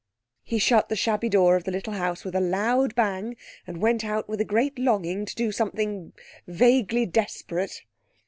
He shut the shabby door of the little house with a loud bang, and went out with a great longing to do something vaguely desperate.